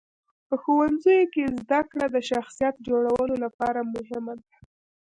په ښوونځیو کې زدهکړه د شخصیت جوړولو لپاره مهمه ده.